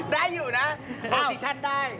ได้อยู่เปอร์สิชชั่นได้